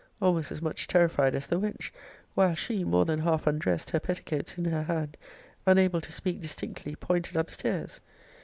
almost as much terrified as the wench; while she, more than half undrest, her petticoats in her hand, unable to speak distinctly, pointed up stairs.